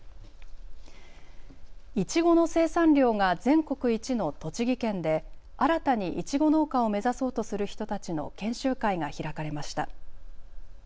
いちごの生産量が全国一の栃木県で新たにいちご農家を目指そうとする人たちの研修会が開かれました。